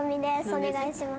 お願いします。